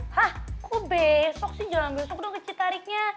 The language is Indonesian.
hah kok besok sih jalan besok udah ngecit tariknya